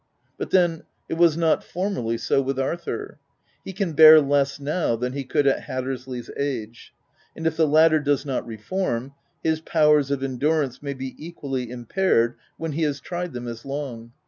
But then, it was not formerly so with Arthur : he can bear less now 7 than he could at Hatters ley's age ; and if the latter does not reform, his powers of endurance may be equally im paired when he has tried them as long.